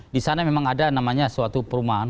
disana memang ada namanya suatu perumahan